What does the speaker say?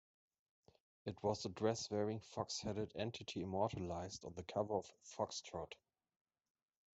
It was the dress-wearing, fox-headed entity immortalised on the cover of "Foxtrot".